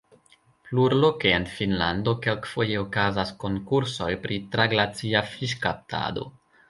Plurloke en Finnlando kelkfoje okazas konkursoj pri traglacia fiŝkaptado.